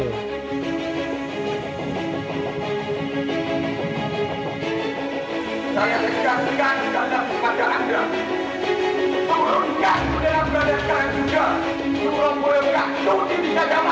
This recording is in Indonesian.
turunkan bendera belanda sekarang juga